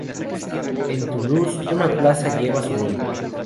En Toulouse, una plaza lleva su nombre.